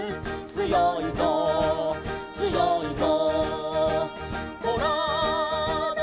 「つよいぞつよいぞ」